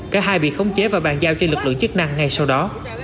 cả hai bị khống chế và bàn giao cho lực lượng chức năng ngay sau đó